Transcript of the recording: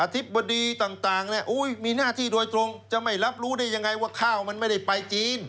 ธิบดีต่างมีหน้าที่โดยตรงจะไม่รับรู้ได้ยังไงว่าข้าวมันไม่ได้ไปจีน